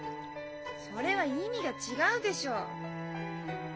それは意味が違うでしょ！